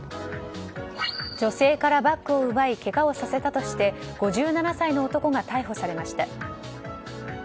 女性からバッグを奪いけがをさせたとして５７歳の男が逮捕されました。